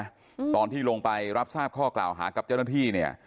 อืมตอนที่ลงไปรับทราบข้อกล่าวหากับเจ้าหน้าที่เนี้ย